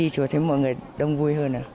thấy mọi người đông vui hơn